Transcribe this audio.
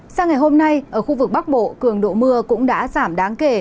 sang ngày hôm nay ở khu vực bắc bộ cường độ mưa cũng đã giảm đáng kể